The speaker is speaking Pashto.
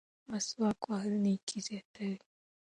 مسواک وهل نیکي زیاتوي.